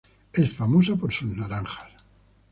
Es famosa por sus naranjas.